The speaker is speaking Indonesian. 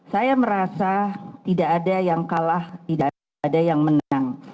saya merasa tidak ada yang kalah tidak ada yang menang